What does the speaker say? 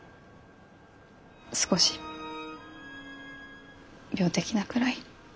少し病的なくらい。